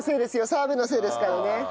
澤部のせいですからね。